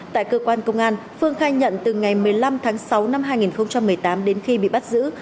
tại cơ quan công an phương khai nhận từ ngày một mươi năm tháng sáu năm hai nghìn một mươi tám đến khi bị bắt giữ